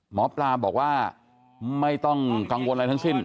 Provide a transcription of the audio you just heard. หมอปลาบอกว่าไม่ต้องกังวลอะไรทั้งสิ้น